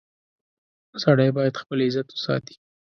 • سړی باید خپل عزت وساتي.